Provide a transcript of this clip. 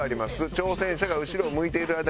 挑戦者が後ろを向いている間に残った３人は